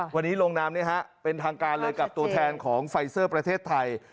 วันนี้ลงนามเป็นทางการเลยกับตัวแทนของไฟเซอร์ประเทศไทย